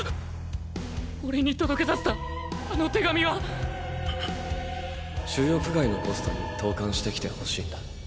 オレに届けさせたあの手紙は⁉収容区外のポストに投函してきてほしいんだ。